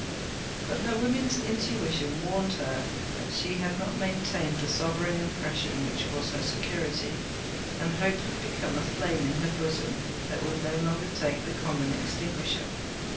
But her woman's intuition warned her that she had not maintained the sovereign impression which was her security. And hope had become a flame in her bosom that would no longer take the common extinguisher.